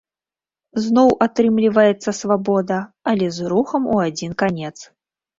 Зноў атрымліваецца свабода, але з рухам у адзін канец.